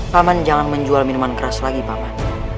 paman jangan menjual minuman keras lagi paman